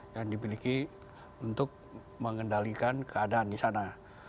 yang dimiliki untuk mengendalikan keadaan di sana